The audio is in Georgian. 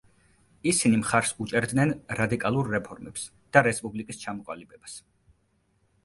ისინი მხარს უჭერდნენ რადიკალურ რეფორმებს და რესპუბლიკის ჩამოყალიბებას.